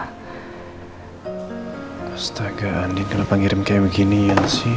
astaga andin kenapa ngirim kayak beginian sih